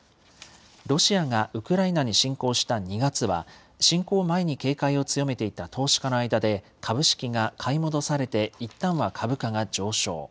ロシアがウクライナに侵攻した２月は、侵攻前に警戒を強めていた投資家の間で株式が買い戻されていったんは株価が上昇。